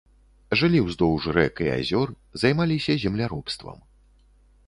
Жылі ўздоўж рэк і азёр, займаліся земляробствам.